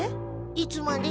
いつまで？